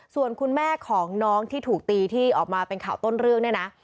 ส่วนคุณแม่ของน้องที่ถูกตีที่ออกมาเป็นข่าวต้นเรื่องเนี่ยนะ